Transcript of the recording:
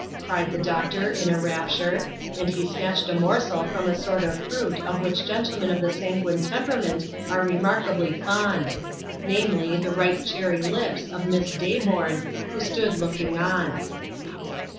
cried the doctor, in a rapture; and he snatched a morsel from a sort of fruit of which gentlemen of the sanguine temperament are remarkably fond ; namely, the ripe cherry lips of Miss Day born, who stood looking on.